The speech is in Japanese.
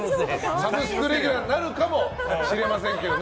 サブスクレギュラーになるかもしれませんけどね。